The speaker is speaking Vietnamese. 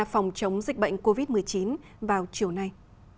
phòng chống dịch bệnh covid một mươi chín vào chiều nay